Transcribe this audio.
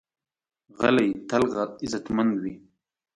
غلی، تل عزتمند وي.